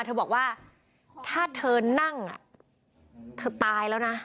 เธอบอกว่าถ้าเธอนั่งเธอตายแล้วนะ